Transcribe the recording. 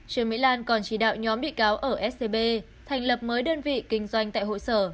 trương mỹ lan còn chỉ đạo nhóm bị cáo ở scb thành lập mới đơn vị kinh doanh tại hội sở